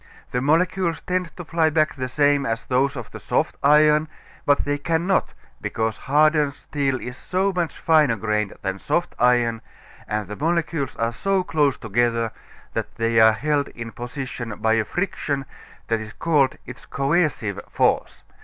The molecules tend to fly back the same as those of the soft iron, but they cannot because hardened steel is so much finer grained than soft iron, and the molecules are so close together that they are held in position by a friction that is called its coercive force.